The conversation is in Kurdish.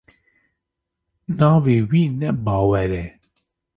Navê wî ne Bawer e.